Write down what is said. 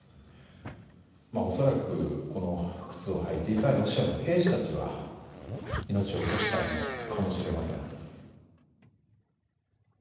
恐らく、この靴を履いていたロシアの兵士たちは命を落としたのかもしれません。